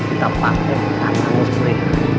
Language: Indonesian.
kita pakai tantang musli